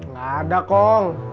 gak ada kong